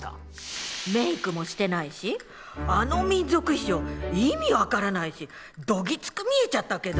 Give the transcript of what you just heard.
メイクもしてないしあの民族衣装意味分からないしどぎつく見えちゃったけど。